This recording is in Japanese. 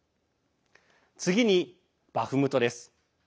次にバフムトです。